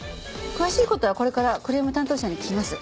詳しい事はこれからクレーム担当者に聞きます。